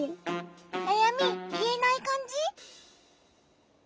なやみいえないかんじ？